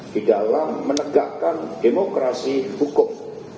di dalam menegakkan demokrasi hukum